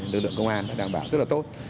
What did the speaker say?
lực lượng công an đã đảm bảo rất là tốt